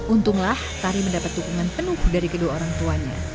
untunglah tari mendapat dukungan penuh dari kedua orang tuanya